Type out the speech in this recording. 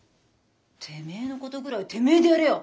てめえのことぐらいてめえでやれよ！